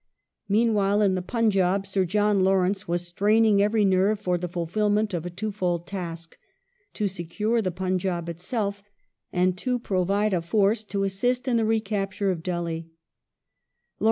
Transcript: The Pun Meanwhile, in the Punjab, Sir John Lawrence was straining j^^ every nerve for the fulfilment of a two fold task : to secure the Punjab itself, and to provide a force to assist in the recapture of Delhi.